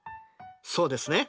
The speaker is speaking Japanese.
そうですね。